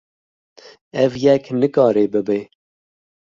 Ev yek nikare bibe.